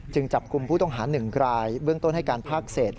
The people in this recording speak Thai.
จึงจับกลุ่มผู้ต้องหาหนึ่งกลายเวืองต้นให้การพากเศษ